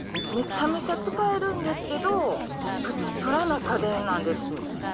めちゃめちゃ使えるんですけど、プチプラな家電なんです。